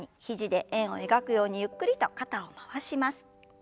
肘で円を描くようにゆっくりと肩を回します。